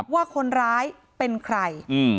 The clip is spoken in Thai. ว่าคนร้ายเป็นใคร